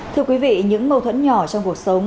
thưa quý vị những mâu thuẫn nhỏ trong cuộc sống